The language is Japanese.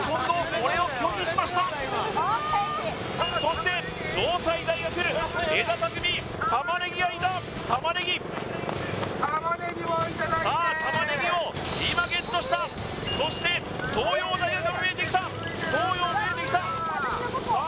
これを拒否しましたそして城西大学江田拓実玉ねぎがいた玉ねぎ玉ねぎをいただいてさあ玉ねぎを今ゲットしたそして東洋大学も見えてきた東洋見えてきたさあ